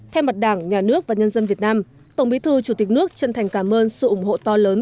thay mặt đảng nhà nước và nhân dân việt nam tổng bí thư chủ tịch nước chân thành cảm ơn sự ủng hộ to lớn